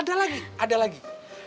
ada lagi ada lagi